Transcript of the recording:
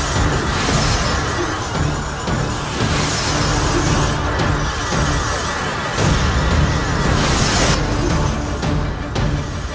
sejak kapan pajajaran menjadi istanamu paman